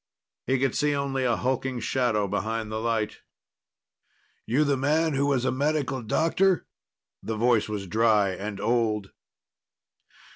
He could see only a hulking shadow behind the light. "You the man who was a medical doctor?" The voice was dry and old.